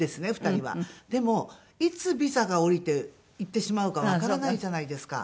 でもいつビザが下りて行ってしまうかわからないじゃないですか。